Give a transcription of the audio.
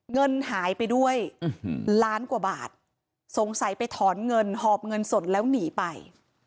เงินหายไปด้วยล้านกว่าบาทสงสัยไปถอนเงินหอบเงินสดแล้วหนีไป